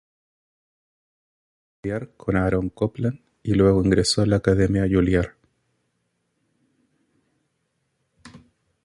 Empezó a estudiar con Aaron Copland y luego ingresó en la Academia Juilliard.